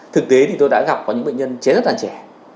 thực tế thì tôi đã gặp có những bệnh nhân chết rất là trẻ